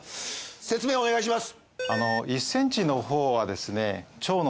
説明お願いします。